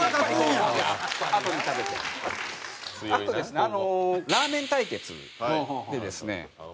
あとですねラーメン対決でですね